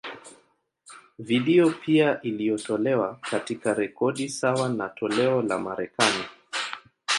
Video pia iliyotolewa, katika rekodi sawa na toleo la Marekani.